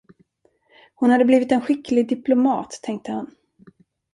Hon hade blivit en skicklig diplomat, tänkte han.